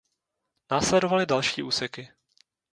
Následovaly další úseky.